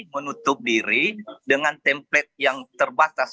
menutup diri dengan template yang terbatas